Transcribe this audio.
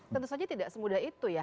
tentu saja tidak semudah itu ya